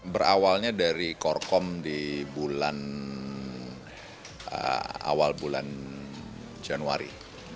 berawalnya dari korcom di awal bulan januari dua ribu delapan belas